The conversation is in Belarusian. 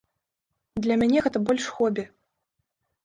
Для мяне гэта больш хобі.